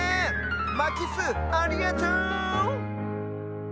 まきすありがとう！